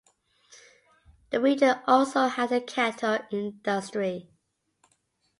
The region also had a cattle industry.